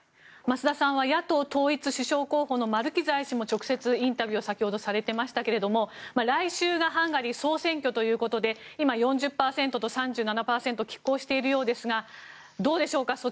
増田さんは野党統一首相候補のマルキザイ氏も直接インタビューをされてましたけど来週がハンガリー総選挙ということで今４０％と３７％と拮抗しているようですがどうでしょうか